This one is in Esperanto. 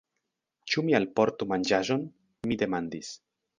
Ĉu mi alportu manĝaĵon? mi demandis.